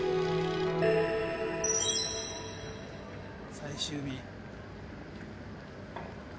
最終日。